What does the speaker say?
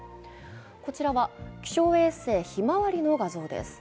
こちらは気象衛星「ひまわり」の画像です。